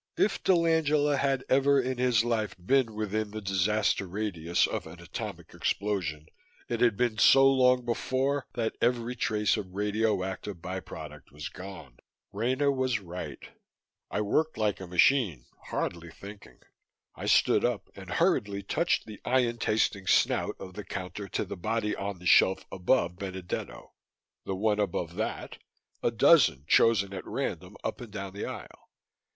If dell'Angela had ever in his life been within the disaster radius of an atomic explosion, it had been so long before that every trace of radioactive byproduct was gone! Rena was right! I worked like a machine, hardly thinking. I stood up and hurriedly touched the ion tasting snout of the counter to the body on the shelf above Benedetto, the one above that, a dozen chosen at random up and down the aisle.